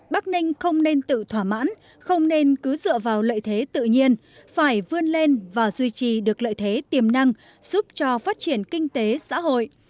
bắc ninh không nên tự thỏa mãn không nên cứ dựa vào lợi thế tự nhiên phải vươn lên và duy trì được lợi thế tiềm năng giúp cho phát triển kinh tế xã hội